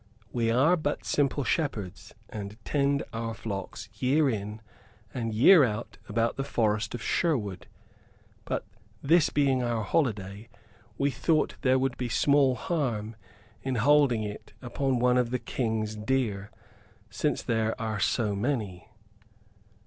We are but simple shepherds, and tend our flocks year in and year out about the forest of Sherwood, but, this being our holiday, we thought there would be small harm in holding it upon one of the King's deer, since there are so many."